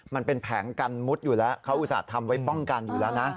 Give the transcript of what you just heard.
มันเป็นแผงกันมุดอยู่แล้วเขาอุตส่าห์ทำไว้ป้องกันอยู่แล้วนะ